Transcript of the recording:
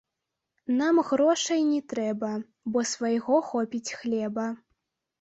Нам грошай не трэба, бо свайго хопіць хлеба.